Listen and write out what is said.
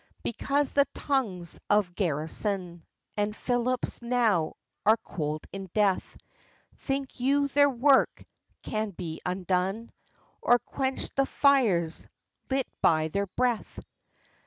Because the tongues of Garrison And Phillips now are cold in death, Think you their work can be undone? Or quenched the fires lit by their breath?